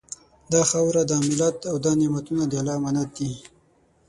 دا خاوره، دا ملت او دا نعمتونه د الله امانت دي